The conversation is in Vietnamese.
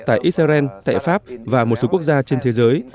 tại israel tại pháp và một số quốc gia trên thế giới